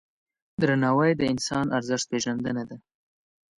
درناوی د انسان د ارزښت پیژندنه ده.